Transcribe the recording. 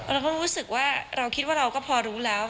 เราก็รู้สึกไม่รู้สึกว่าเราก็พอรู้แล้ว